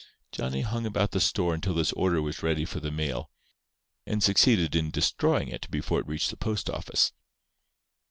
Johnny hung about the store until this order was ready for the mail, and succeeded in destroying it before it reached the postoffice.